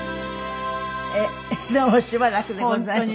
どうもしばらくでございました。